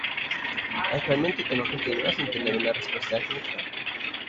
Actualmente el tema continua sin tener una respuesta definitiva.